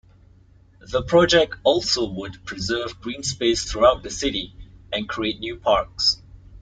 The project also would preserve greenspace throughout the city and create new parks.